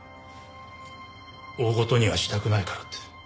大ごとにはしたくないからって。